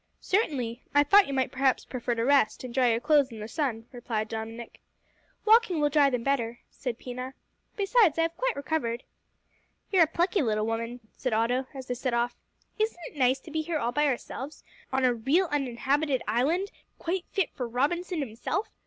"Certainly. I thought you might perhaps prefer to rest, and dry your clothes in the sun," replied Dominick. "Walking will dry them better," said Pina. "Besides, I have quite recovered." "You're a plucky little woman," said Otto, as they set off. "Isn't it nice to be here all by ourselves, on a real uninhabited island, quite fit for Robinson himself?